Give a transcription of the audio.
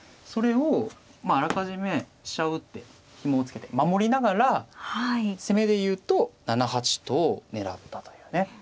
それをあらかじめ飛車を打ってひもを付けて守りながら攻めで言うと７八とを狙ったというね。